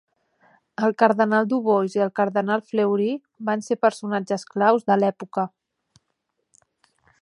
El cardenal Dubois i el cardenal Fleury van ser personatges clau de l'època.